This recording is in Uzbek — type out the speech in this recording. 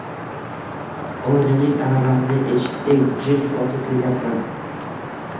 Oilaning aravasini eshakdek jiiim tortib kelyapman